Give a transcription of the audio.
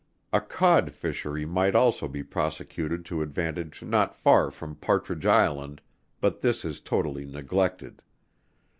A Cod fishery might also be prosecuted to advantage not far from Partridge Island, but this is totally neglected.